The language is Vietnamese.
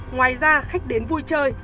ngoài ra khách đến vui chơi